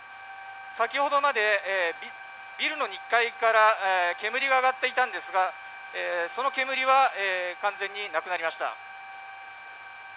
先ほどまでビルの２階から煙が上がっていたんですがその煙は完全になくなりました。